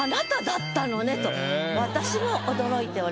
と私も驚いております。